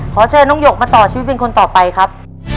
ขอเชิญน้องหยกมาต่อชีวิตเป็นคนต่อไปครับ